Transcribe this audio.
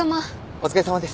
お疲れさまです。